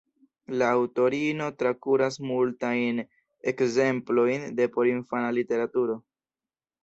La aŭtorino trakuras multajn ekzemplojn de porinfana literaturo.